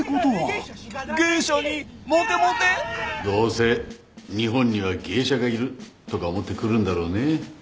どうせ「日本にはゲイシャがいる」とか思って来るんだろうね。